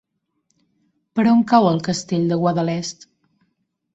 Per on cau el Castell de Guadalest?